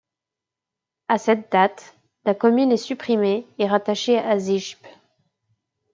À cette date, la commune est supprimée et rattachée à Zijpe.